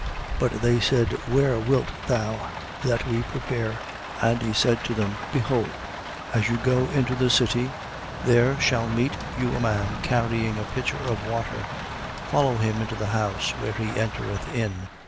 22:9. But they said: Where wilt thou that we prepare? 22:10. And he said to them: Behold, as you go into the city, there shall meet you a man carrying a pitcher of water: follow him into the house where he entereth in.